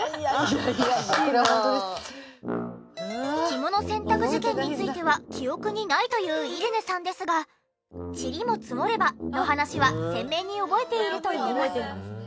着物洗濯事件については記憶にないというイレネさんですが「チリも積もれば」の話は鮮明に覚えているといいます。